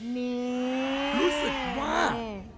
รู้สึกว่า